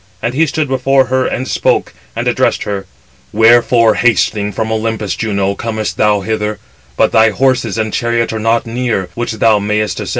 And he stood before her, and spoke, and addressed her: "Wherefore hastening from Olympus, Juno, comest thou hither, but thy horses and chariot are not near, which thou mayest ascend."